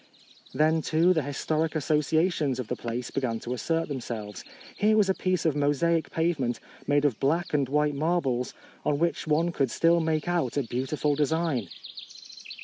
Then, too, the historic as sociations of the place began to assert themselves. Here was a piece of mosaic pavement, made of black ' and white pebbles, on which one could still make out a beautiful de sign.